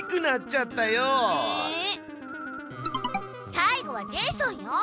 最後はジェイソンよ。